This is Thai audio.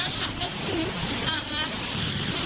ปกติที่ทัพเปิดคืออย่างนี้ค่ะ